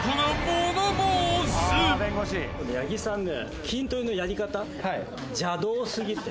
八木さんね。